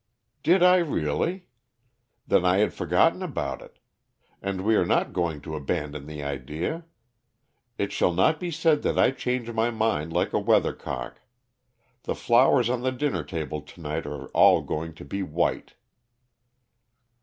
"Did I really! Then I had forgotten about it. And we are not going to abandon the idea. It shall not be said that I change my mind like a weathercock. The flowers on the dinner table to night are all going to be white."